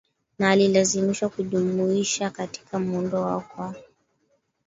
na alilazimishwa kujumuisha katika muundo wao kwa